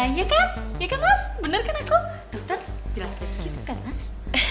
iya kan iya kan mas bener kan aku dokter bilang begitu kan mas